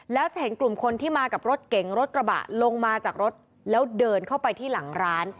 แล้วจะเห็นกลุ่มคนที่มากับรถเก๋งรถกระบะลงมาจากรถแล้วเดินเข้าไปที่หลังร้าน